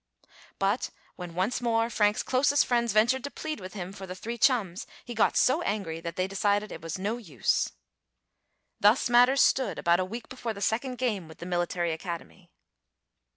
But when once more Frank's closest friends ventured to plead with him for the three chums he got so angry that they decided it was no use. Thus matters stood about a week before the second game with the military academy.